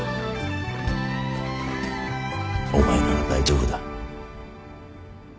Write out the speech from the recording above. お前なら大丈夫だ。